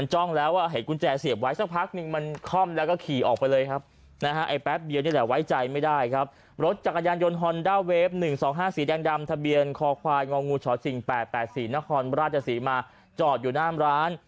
หลับว่าซี่นครราชสีมาจอดอยู่หน้าน้ำร้าน